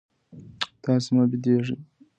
تاسي مه بېدېږئ.